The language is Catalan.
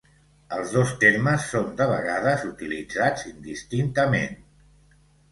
Els dos termes són de vegades utilitzats indistintament.